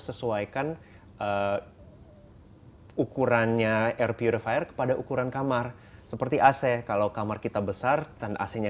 sesuaikan ukurannya air purifier kepada ukuran kamar seperti ac kalau kamar kita besar dan ac nya